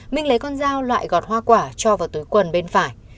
minh lấy con dao loại gọt hoa quả cho vào túi quần bên phải